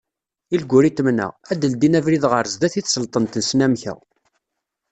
Ilguritmen-a, ad d-ldin abrid ɣer sdat i tesleḍt n tesnamka.